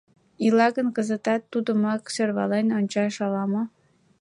— Ила гын, кызытат тудымак сӧрвален ончаш ала-мо?